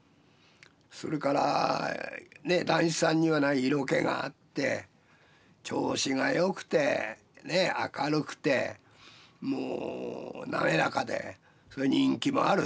それから談志さんにはない色気があって調子がよくて明るくてもう滑らかで人気もある。